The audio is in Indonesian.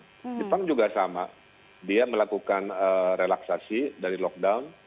jepang juga sama dia melakukan relaksasi dari lockdown